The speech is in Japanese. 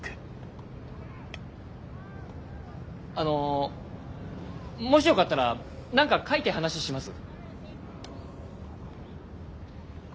あのもしよかったら何か書いて話します？